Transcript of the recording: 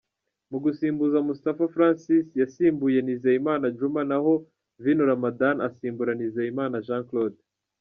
Mu gusimbuza, Moustapha Francis yasimbuye Nizeyimana Djuma naho Vino Ramadhan asimbura Nizeyimana Jean Claude.